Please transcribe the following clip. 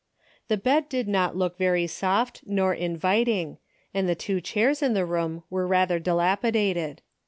The bed did not look very soft nor inviting, and the two chairs in the room were rather dilap idated.